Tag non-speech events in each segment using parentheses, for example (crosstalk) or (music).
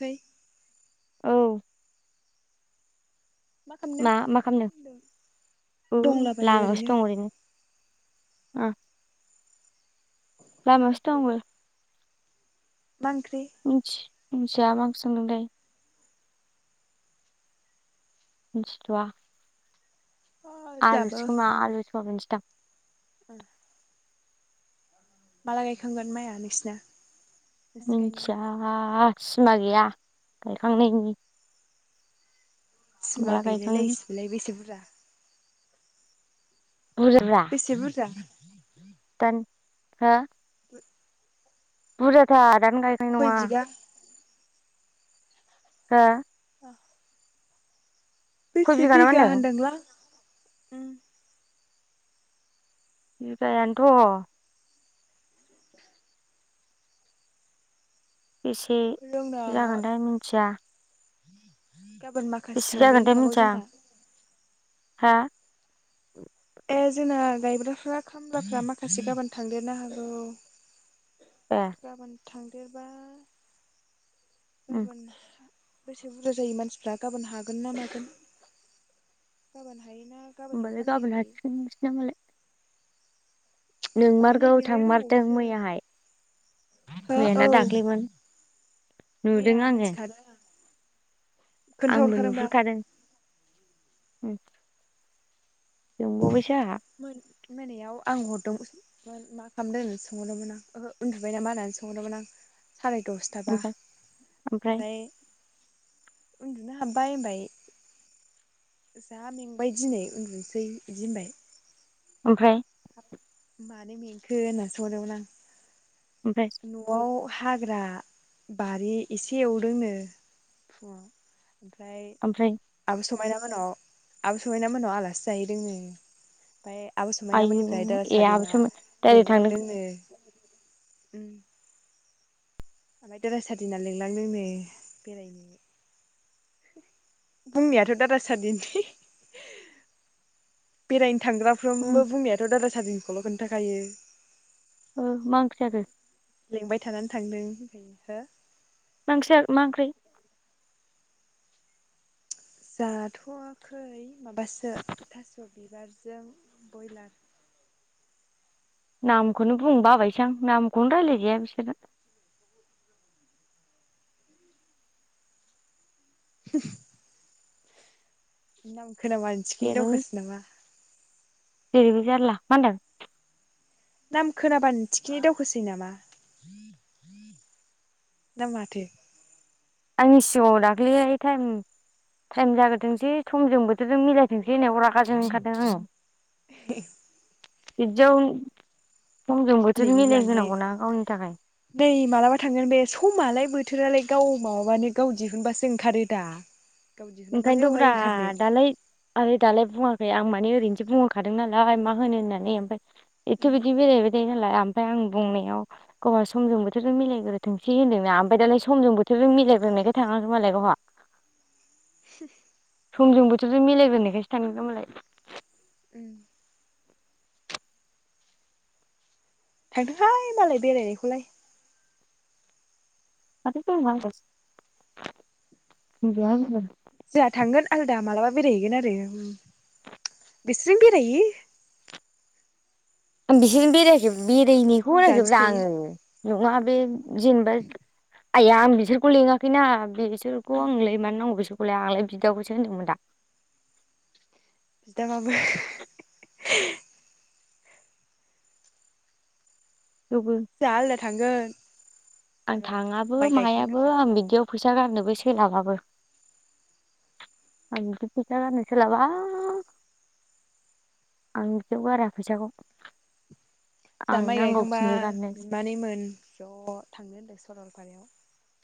है औ मा मा खालामनो लामायावसो दं ओरैनो औ मा लामायावसो दं ओंख्रि? आंबो। मा ओंख्रि? मिथि मिथिया मा ओंख्रि संदोंथाय मिथिथ'वा अ आलुसो खोमा आलु सयाबिन सो दान। औ माला गायखांगोन माइया नोंसिना? नोंसि गायनाया? मिनथिया सिमा गैया गायखांनायनि सिमा माला गायखाङो गैलायलायसिलाय बेसे बुरजा? बुरजाब्रा बेसे बुरजा? दान हो (inaudible) बुरजाथार दानो गायखांनाय खय नङा। बिगा हो (inaudible) बेसे नामा बिगा होनदों होनदोंलां? बिगायानोथ' बेसे जोंना जागोनथाय मिथिया। गाबोन माखासे बेसे थांदेरनो जागोनथाय हागौ मिथिया जोंहा हा ए जोंना गायग्राफ्रा खामलाफ्रा माखासे गाबोन थांदेरनो हागौ। ए गाबोन थांदेरबा उम गाबोन बेसे बुरजा जायो मानसिफ्रा गाबोन हागोन ना मागोन। गाबोन हायोना गाबोननि होमबालाय अखानायै गाबोन हायो हासिगोन नोंसिना मालाय। नोंमारगौ नैबेहाय थांमारदों मैयाहाय दंबावोसो हो मैयाना औ दाख्लैमोन नुदों मैया आङो मोनथि खादों आंङो। आंबो नुहुरखादों। जोंबावबायसो आंहा मोना मोनायाव आं दोंमोन मा खालामदों होननानै सोंहरदोंमोन आं ओहो उन्दुबाय नामा होननानै सोंहरदोंमोन आं साराय दसथाबा ओमफ्राय ओमफ्राय उन्दुनो हाबबाय होनबाय। जा मेंबाय दिनै उन्दुनोसै बिदि होनबाय ओमफ्राय मानो मेंखो होनना सोंहरदोंमोन ओमफ्राय आं न'आव हाग्रा बारि एसे एवदोंनो फुङाव ओमफ्राय ओमफ्राय आब स मायना मोनाव आब' समायना मोनाव आलासि जायो रोङो ओमफ्राय आब' आयु समायनाामनिफ्राय दा ए सादना आहाबोसोमोन डाइरेक्ट थांदों लिंलांदोंनो। उम ओमफ्राय दादा सादिना लिंलांदोंनो बेरायनो बुंनायाथ' दादा सादिन बेरायनो उम थांग्राफ्रोमबो बुंनायाथ' दादा सादिनिखौल' खोन्थाखायो। ओम मा ओंख्रि जाखो? लेंबाय थानानै थांदों। हो नोंसो मा ओंख्रै? जाथ'वाखै माबासो थास' बिबारजों बयलार। (inaudible) नामखौनो बुंबा आबायसो आं नामखौनो रायलाय जाया बिसोरना। (unintelligible) नाम खोनाबानो थिखिनो जेरै दावखोसो नामा? जेरैबो जारला मा होनदों? नाम खोनाबानो थिखिनाय दावखोसै नामा? दा माथो? आंनि सिगाङाव दाखलि टाइम टाइम जाग्रोथोंसै समजों बोथोरजों मिलायथोंसै होनाव रागा जोंनो ओंखारदों आं (unintelligible) बिदियाव समजों नै बोथोर लांनाय मिलायहोनांगौना गावनि थाखाय नै मालाबा थांगोन बे समालाय बोथ बोथोरालाय गाव माबाबानो गाव दिहुनबासो ओंखारो दा? गाव दिहुनाबालाय ओंखायनोथ' अहाय ब्रा ओंखारनो दालाय आरो दालाय बुङाखै आं माने ओरैनोसो बुंहखादों नालाय मा होनो होननानै ओमफाय एथ' बिदि बेरायबाय नालाय आमफाय आं बुंनायाव गावहा समजों बोथोरजों मिलायग्रो थोंसै होनदोंना ओमफ्राय दालाय समजों बोथोर जों मिलायग्रोननायखाय थाङाखै मालाय गावहा। (unintelligible) समजों बोथोरजों मिलायग्रो नायखायसो थांगोननो मालाय। उम थांथोहाय मालाय बेरायनायखौलाय। जोंहा (unintelligible) थांगोन आलदा मालाबा बेरायहैगोन आरो बिस्रिं बेरायहैयो। आं बिसोरनो बेराजोौब बेरायनायखौ बुंजानोसो रायजोब्ला थायो आङो नङा। बे जेनेबा आइया आं बिसोरखौ लिङाखैना बिसोरखौ आं ल मानो नांगौ बिसोर (unintelligible) आंलाय बिदाखौसो होनदोंमोन दा। बिदाबाबो (unintelligible) थेवबो जा आलदा थांगोन। आं र' थाङाबो माइ मायाबो गायखांग्रोथों आं बिदियाव फैसा गारनोबो सोलाबाबो। आं फैजा गारनो सोलाबा। आं बिदियाव गारा फैसाखौ। जा आं माइ नांगौखिनि गायखांबाय गारनो बिमानैमोन ज' थांनो होनदों सरलपारायाव।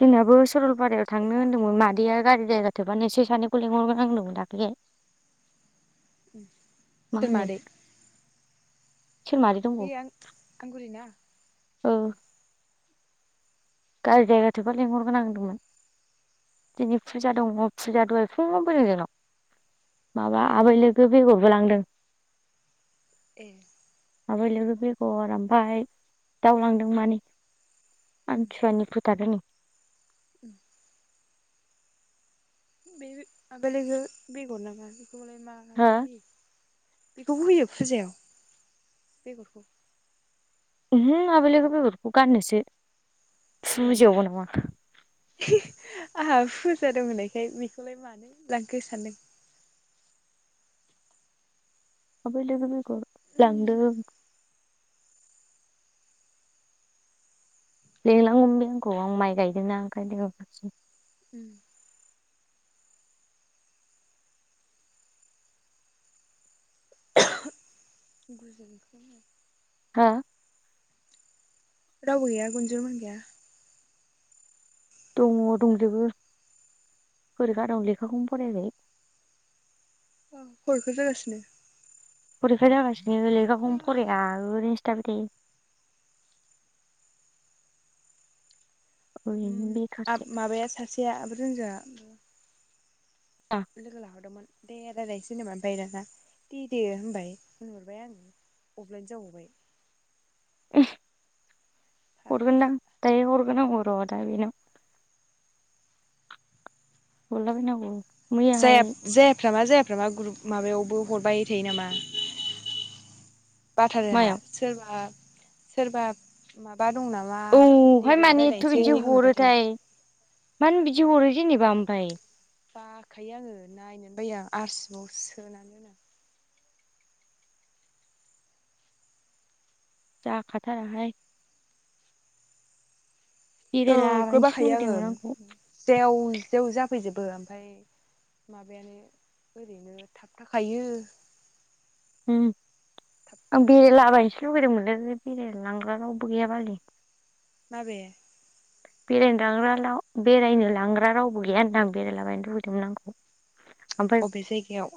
जोंनाबो सरलपारायाव थांनो बोरैबा होन्दोंमोन थांनाय जाबा मादैया गारि थांगोन जायगा थोबानो एस सानै लेंहरगोन होनमोन दाख्लै। सोर मादै? सोर मादै बे दंबावो आं आंगुरि ना? ओ गारि जायगा थोबा लेंहरगोन आं होनदोंमोन। दिनै फुजा दङ फुजा दहाय फुङावनो फैदों जोंनाव। माबा ए आबै लोगो बेगरबो लांदों। ए आबै लोगो बेगर आमफाय दाउ लांदों मानै। उम सुवानि फोथारोनो। (inaudible) बे आबै लोगो बेगर ना मा बेखौलाय मायाव होयो? बेखौबो होयो फुजायाव बेगरखौ? ओहो आबै लोगो बेगरखौ गाननोसो। ए फुजायावबो नङा। आंहा फुजा दं होननायखाय बेखौलाय मानो लांखो सानदों। आबै लोगो बेगर लांदों। लेंलांगौमोन बे आंखौ आं माइ गायदों ना ओंखायनो लेङाखिसै। उम गुजोनखौ हा? रावबो गैया गुनजोनमोन गैया। दङ दंजोबो। फरिखा दं लेखाखौनो फरायाखै। अ फरिखा जागासिनो? फरिखा जागासिनो लेखाखौनो फराया ओरैनोसो थाबाय थायो। ओरैनो बेखारसो माबाया सासेया आब' रुनजुवा लोगो लाहरदोंमोन। दे रायलायनोसै होनदोंमोन ओमफाय दाना देदो होनबाय होनहरबाय आङो अफलाइन जाबावबाय। हरगोनदां दायो हरगोन आङो र' दा बेनाव। हरलायबायनांगौ। जेब जेब रागा जाया फ्रामा जाया फ्रामा ग्रुप माबायावबो हरबाय थायो नामा। बाथारो आंहा मायाव सोरबा सोरबा मा बा दं नामा औहाय देदो मानो एथ' रायलायनोसै बिदि होनहरबाय थायो। हरोथाय मानो बिदि हरो जेनेबा ओमफाय? बाखायो आङो नायनोनो बायो आं आरसिबावसो सोनानै दोनो आं। जाखाथाराहाय। ओ नोगोर बेरायलाबायनोसो बाखायो आङो, लुुबैदोंमोन आंखौ जेव जेव जाफैजोब बो ओमफाय माबायानो ओरैनो थाबथाखायो। उम आं थाबथास्लायजोबो बेरायलाबायनोसो ओमफ्राय लुुबैदोंमोनलै। बेरायनो लांग्रा रावबो गैया बालनि। माबे? बेरायनो लांग्रा लाव बेरायनो लांग्रा रावबो गैया होनदां बेरायलाबायनो लुुबैदोंमोन आंखौ। ओमफ्राय अबे जायगायाव?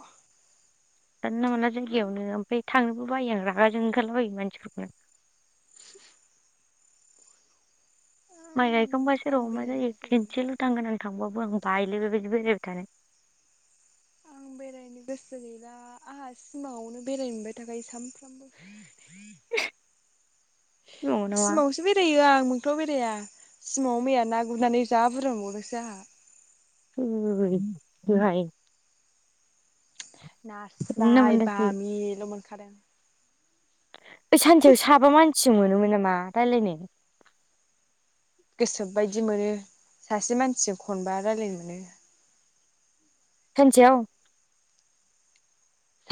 जानला मोनला जायगायावनो ओमफाय थांनोबो बायो आं रागा जोंनो ओंखारलाबायो मानसिफोरखौनो। माइ गायखांबासो आं र' मा बेरायनो जायो गोसो गैला खेनसेल' थांगोन आं। थांबाबो आं बायोलै बेबायदि बेरायबाय थानो। आं बेरायनो गोसो गैला आंहा सिमाङावनो बेरायनो मोनबाय थाखायो सामफ्रामबो। थानो नंगौ नामा सिमाङावसो बेरायो आं। मोगथाङाव बेराया। सिमाङाव मैया ना गुरनानै जा बुरजा मोनबावदोंसो आंहा। थैदोहाय। जानला नास्राय मोनलासो बामि ल' मोनखादों ओइ सानसेयाव साबा मानसिजों मोनोमोन नामा रायलायनो? गोसोबायदि मोनो सासे मानसिजों खनबा रायलायनो मोनो सानसेयाव?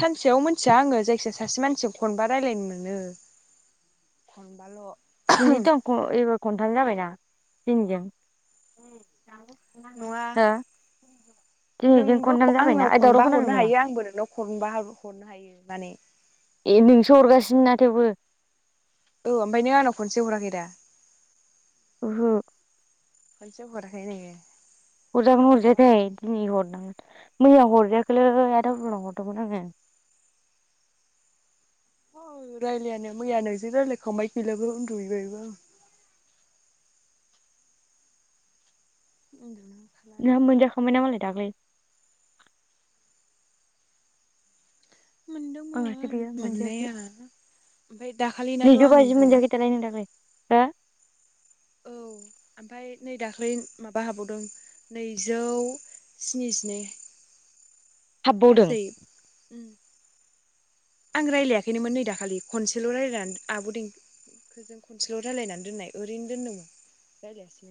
सानसेयाव मोनथिया आङो जायखिया सासे मानसिजों खनबा रायलायनो मोनो खनबाल' बिदि दंख' एबार खनथाम जाबायना दिनैजों उम हो? नङा दिनैजों नोंबो खनथाम जाबायना आंनाव ओइ दावराव खनबा खोनादों हरनो नामा हायो आंबो नोंनाव खनबा हरनो हायो माने ए नोंसो हरगासिनो ना थेवबो औ ओमफ्राय नों आंनाव खनसे हराखै दा? ओहो। खनसेबो हराखै नोङो। हरजागोन ना खनबा हरनो हरजायाथाय दिनै हरनांगोन। मैया हरजायाखैलै आदा बुहुल नाव हरदोंमोन आङो। औ रायलायानो मैयानो जि रायलायखांबाय गैलाबो उन्दु हैबायबो आं। उन्दुनो ओंखारनानै नोंहा मोनजाखांबाय ना मालाय दाख्लै? आंहासो मोनदोंमोन गैया मोनजायाखै मोननाया ओमफ्राय दाखालिनाथ' नैजौ आं बाजि गैला। मोनजायाखै दालाय नों दाख्लै हो? औ ओमफ्राय नै दाख्लै माबा हाबबावदों नैजौ स्निजिनै हाबबावदों गासै उम आं रायलायाखैनोमोन नै दाखालि खनसेल' रायलायनानै आब' दें खो जों खोनसेल' रायलायनानै दोननाय ओरैनो दोनदोंमोन रायलायासैनो।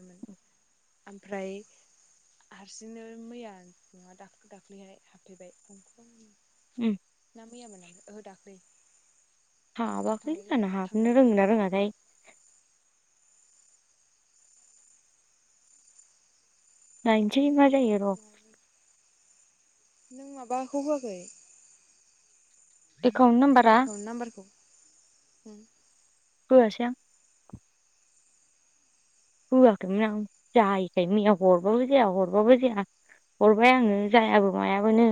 ओमफ्राय हारसिंनो मैया नङा दाख्लै दाख्लैहाय हाबफैबाय उम (inaudible) ना मैयामोन नामा ओहो दाख्लै। केम्पासाव हाबाखै थांलायलाय आंना हाबनोनो थांनानै रोंङो ना फैखालि रोङाथाय। नायनोसै मा हाबनानै जायो र' (inaudible) नों माबाखौ‌ होआखै? एकाउन्ट नाम्बारा एकाउन्ट नाम्बारखौ हो? होआसै आं। होआखैमोन आं जायैखायनो मैया हरबाबो जाया हरबाबो जाया। हरबाय आङो जायाबो मायाबानो।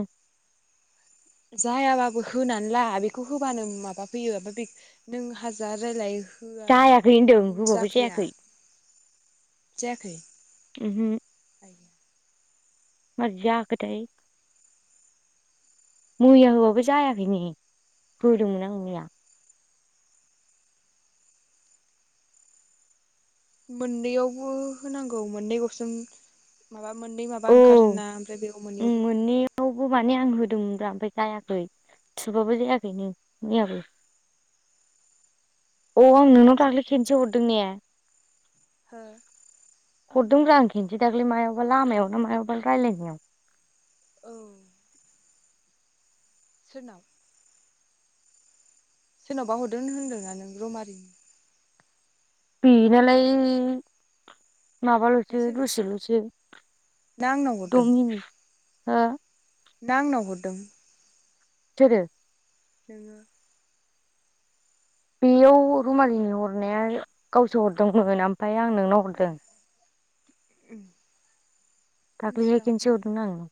जायाबाबो होनानै ला बेखौ होबानो माबा फैयो ओमफाय बे नों हाजार रायलाय होआबा जायाखै होनदों होबाबो जाफैया जायाखै। जायाखै उमहो आयया? मारै जाखोथाय। मैया होबाबो जायाखै नै होदोंमोन आं मैया। मोननैआवबो होनांगौ मोननै अफसन माबा मोननै औ माबा ओंखारोना ओमफ्राय बेयाव उम मोननैयावबो होनांगौ। मोननैयावबो माने आं होदोंमोनब्रा ओमफ्राय जायाखै थुबाबो जायाखैनो मैयाबो। (inaudible) अ आं बोरैबा नोंनाव मानो दाख्लै जाखो खेनसे होनलायला हरदों ने? हो हरदों ब्रा आं खेनसे दाख्लै मायावबा लामायाव ना मायावबानो रायलायनायाव। औ सोरनाव? सोरनावबा हरदों होनदों ना नों रमारि नि? बि नालाय ना माबाल'सो सोरनाव ना दसेल'सो आंनाव द' मिनिट। हो? नां आंनाव हरदों? सोरो? नोङो? बेयाव रुमालिनो हरनाया गावसो हरदोंमोन ओमफाय आं नोंनाव ए हरदों। उम दाख्लैहाय मिथिला आं खेनसे होमबालाय हरदोंना आं नोंनाव।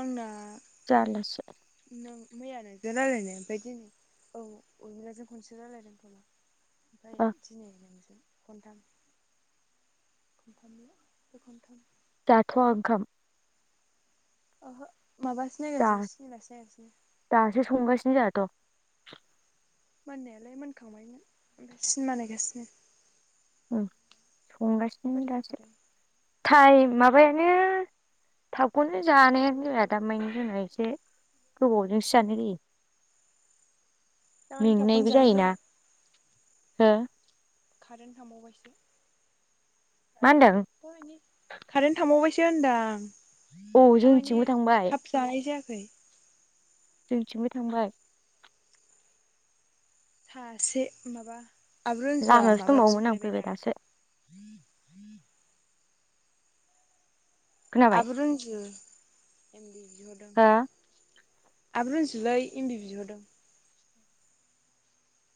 आंना जारलासो। नों मैया नोंजों रायलायनाय ओमफाय दिनै औ अनिलाजों खनसे रायजलायदों खोमा। ओमफ्राय ओ दिनै नोंजों। खनथाम खनथामल' बे खनथाम। जाथ'वा ओंखाम ओहो माबासो दा नायगासिनो सिनिमा सो नायगासिनो दग मोननायालाय मोनखांबायमोन ओमफ्राय सिनिमा नायगासिनो औ संगासिनो खयथा दासो जाखोथाय टाइम माबायानो थाबखौनो जानायानो जाया दा मानि जोंना एसे गोबावजोंसो जानाय जायो (unintelligible) दामानि थाबखौनो मेंनायबो जानाय जायोना जायाखै हो कारेन्ट थांबावबायसो मा होनदों कारेन्ट थांबावबायसो होनदां औ दामानि जोंनिथिंबो थांबाय थाब जानाय जायाखै जोंथिंबो थांबाय सासे माबा आब' रनजुआ लामायावसो माबा दंबावोमोन आं बिहरलायबाय फैबाय दा (inaudible) दासो खोनाबाय आब' रनजु एम भि बिहरदों हो (inaudible) आब' रुनजुलै एम भि बिहरदों